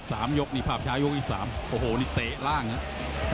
สามยกนี่ภาพช้ายกอีก๓โอ้โหนี่เตะล่างอ่ะ